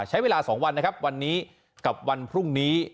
ใช้เวลา๒วันนะครับวันนี้กับวันพรุ่งนี้